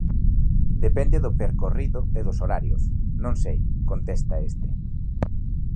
Depende do percorrido e dos horarios, non sei, contesta este.